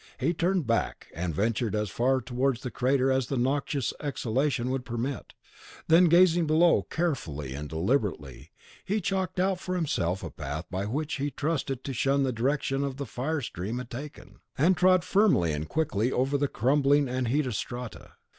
He turned back, and ventured as far towards the crater as the noxious exhalation would permit; then, gazing below, carefully and deliberately he chalked out for himself a path by which he trusted to shun the direction the fire stream had taken, and trod firmly and quickly over the crumbling and heated strata.